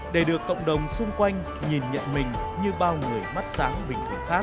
để được cộng đồng xung quanh nhìn nhận mình như bao người mắt sáng bình thường khác